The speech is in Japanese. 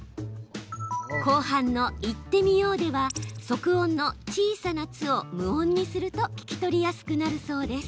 後半の「行ってみよう」では促音の小さな「つ」を無音にすると聞き取りやすくなるそうです。